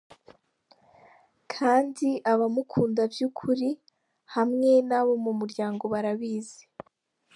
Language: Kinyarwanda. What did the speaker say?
kandi abamukunda vyukuri hamwe n'abo mu muryango barabizi.